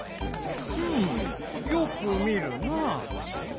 うんよくみるなあ。